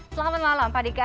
selamat malam pak dika